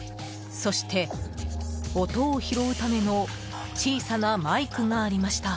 そして、音を拾うための小さなマイクがありました。